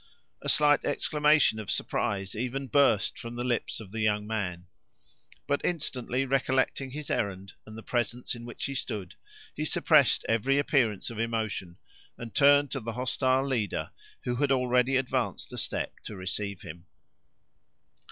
A slight exclamation of surprise even burst from the lips of the young man, but instantly, recollecting his errand, and the presence in which he stood, he suppressed every appearance of emotion, and turned to the hostile leader, who had already advanced a step to receive him.